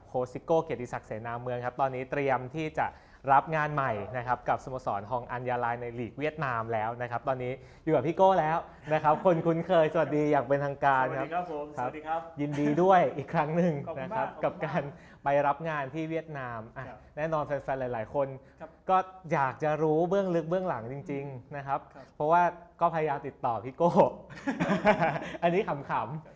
โค้ชซิโก้เกียรติศักดิ์เสนามเมืองครับตอนนี้เตรียมที่จะรับงานใหม่นะครับกับสมสรรคองอัญญาลัยในหลีกเวียดนามแล้วนะครับตอนนี้อยู่กับพี่โก้แล้วนะครับคนคุ้นเคยสวัสดีอยากเป็นทางการนะครับสวัสดีครับยินดีด้วยอีกครั้งนึงนะครับกับการไปรับงานที่เวียดนามแน่นอนแฟนหลายคนก็อยากจะรู้เบื้องลึก